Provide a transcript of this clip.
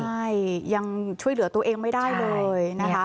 ใช่ยังช่วยเหลือตัวเองไม่ได้เลยนะคะ